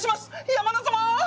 山田様！